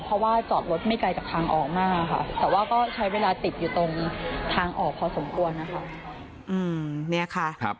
เพราะจอดรถมีกันที่ไม่ไกลจากทางออกมาก